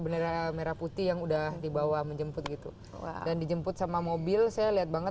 bendera merah putih yang udah dibawa menjemput gitu dan dijemput sama mobil saya lihat banget